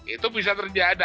itu bisa terjadi